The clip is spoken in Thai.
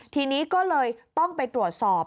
ทีนี้ก็เลยต้องไปตรวจสอบ